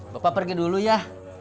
bapak pergi dulu ya